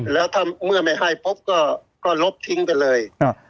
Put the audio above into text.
แล้วถ้าเมื่อไม่ให้ปุ๊บก็ลบทิ้งไปเลย